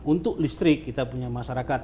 untuk listrik kita punya masyarakat